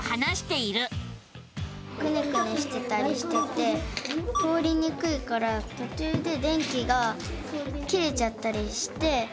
くねくねしてたりしてて通りにくいからとちゅうで電気が切れちゃったりして。